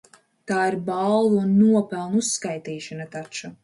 Tā ir balvu un nopelnu uzskaitīšana taču.